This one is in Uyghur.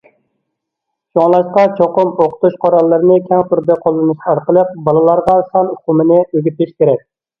شۇڭلاشقا چوقۇم ئوقۇتۇش قوراللىرىنى كەڭ تۈردە قوللىنىش ئارقىلىق بالىلارغا سان ئۇقۇمىنى ئۆگىتىش كېرەك.